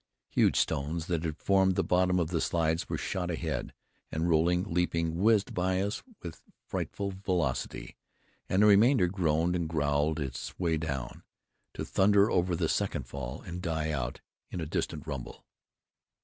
Huge stones, that had formed the bottom of the slides, shot ahead, and rolling, leaping, whizzed by us with frightful velocity, and the remainder groaned and growled its way down, to thunder over the second fall and die out in a distant rumble.